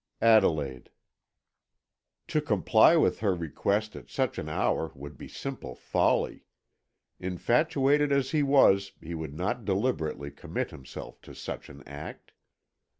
"Adelaide." To comply with her request at such an hour would be simple folly; infatuated as he was he would not deliberately commit himself to such an act.